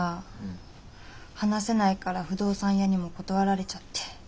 話せないから不動産屋にも断られちゃって。